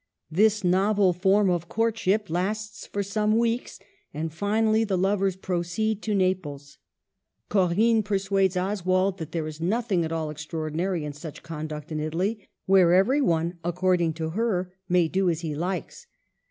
This novel form of courtship lasts for some weeks, and finally the lovers proceed to Naples. Corinne persuades Oswald that there is nothing at all extraordinary in such conduct in Italy, where everyone, according to her, may do as he likes.